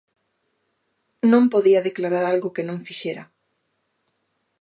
Non podía declarar algo que non fixera.